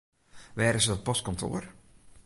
Wêr is it postkantoar?